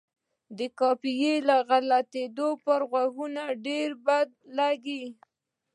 د قافیې غلطي پر غوږونو ډېره بده لګي.